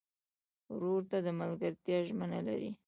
ورور ته د ملګرتیا ژمنه لرې.